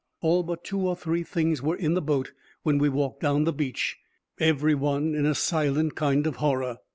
All but two or three things were in the boat, when we walked down the beach, every one in a silent kind of horror.